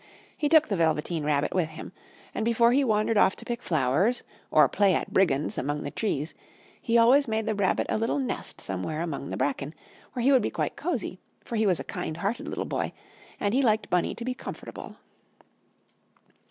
He took the Velveteen Rabbit with him, and before he wandered off to pick flowers, or play at brigands among the trees, he always made the Rabbit a little nest somewhere among the bracken, where he would be quite cosy, for he was a kind hearted little boy and he liked Bunny to be comfortable.